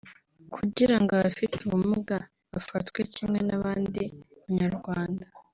kugira ngo abafite ubumuga bafatwe kimwe n’abandi Banyarwanda